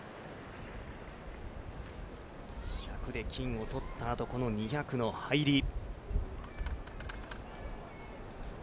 １００で金を取ったあと、この２００の入り。